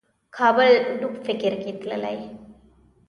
کابل ډوب فکر کې تللی